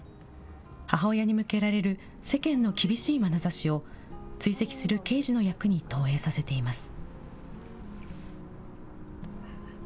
母親に向けられる世間の厳しいまなざしを、追跡する刑事の役に投影させています。